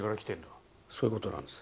そういうことなんです。